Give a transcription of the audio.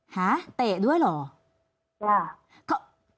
ฮะเตะด้วยเหรอ